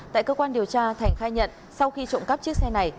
tại cơ quan điều tra thành khai nhận sau khi trộm cắp chiếc xe này